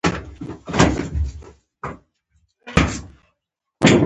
تیره توره د چوپتیا لاس کي ولاړه